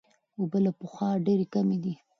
اوبه له پخوا ډېرې کمې دي.